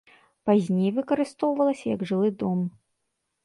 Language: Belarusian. Пазней выкарыстоўвалася як жылы дом.